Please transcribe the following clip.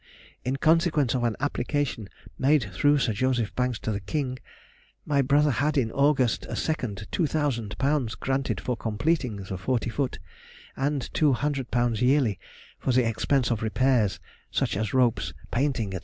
In consequence of an application made through Sir J. Banks to the King, my brother had in August a second £2,000 granted for completing the forty foot, and £200 yearly for the expense of repairs, such as ropes, painting, &c.